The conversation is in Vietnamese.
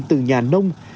từ nhà nông